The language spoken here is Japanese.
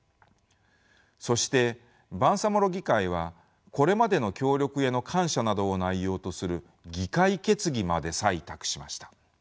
そしてバンサモロ議会はこれまでの協力への感謝などを内容とする議会決議まで採択しました。